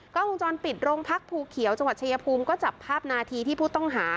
กล้องวงจรปิดโรงพักภูเขียวจังหวัดชายภูมิก็จับภาพนาทีที่ผู้ต้องหา